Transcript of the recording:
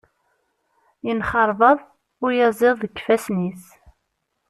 Yenxerbaḍ uyaziḍ deg ifassen-is.